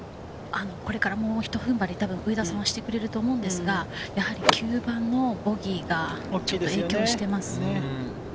これからもうひと踏ん張り、上田さんはしてくれると思うんですが、やはり９番のボギーがちょっと影響してます。